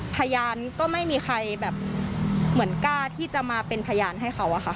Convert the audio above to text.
พยานก็ไม่มีใครแบบเหมือนกล้าที่จะมาเป็นพยานให้เขาอะค่ะ